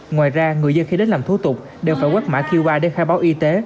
ngoài ra người dân khi đến làm thủ tục đều phải quét mã qr để khai báo y tế